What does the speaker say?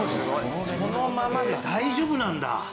そのままで大丈夫なんだ。